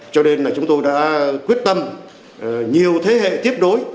cho nên là chúng tôi đã quyết tâm nhiều thế hệ tiếp đối